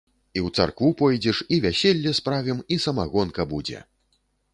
І ў царкву пойдзеш, і вяселле справім, і самагонка будзе!